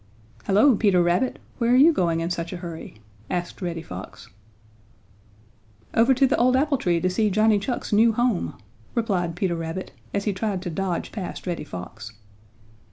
"Hello, Peter Rabbit! Where are you going in such a hurry?" asked Reddy Fox. "Over to the old apple tree to see Johnny Chuck's new home," replied Peter Rabbit as he tried to dodge past Reddy Fox.